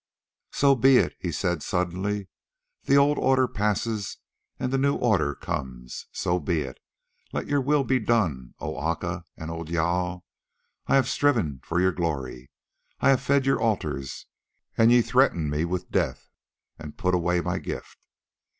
"So be it," he said suddenly. "The old order passes, and the new order comes. So be it! Let your will be done, O Aca and O Jâl. I have striven for your glory, I have fed your altars, and ye threaten me with death and put away my gift.